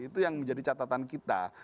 itu yang menjadi catatan kita